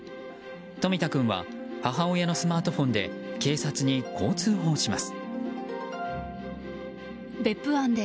冨田君は母親のスマートフォンで警察に、こう通報します。